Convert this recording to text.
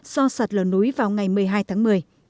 do sạt lở núi vào ngày một mươi hai tháng một mươi